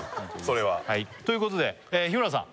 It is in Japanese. それはということで日村さん